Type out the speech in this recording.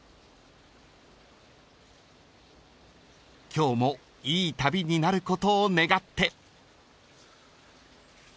［今日もいい旅になることを願って］